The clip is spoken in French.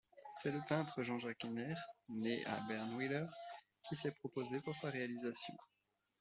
C'est le peintre Jean-Jacques Henner, né à Bernwiller, qui s'est proposé pour sa réalisation.